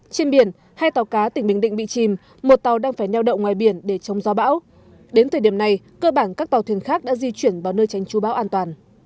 trên biển hai tàu cá tỉnh bình định bị chìm một tàu đang phải neo đậu ngoài biển để chống gió bão đến thời điểm này cơ bản các tàu thuyền khác đã di chuyển vào nơi tránh chú bão an toàn